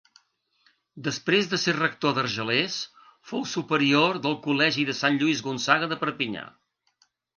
Després de ser rector d'Argelers, fou superior del col·legi de Sant Lluís Gonçaga de Perpinyà.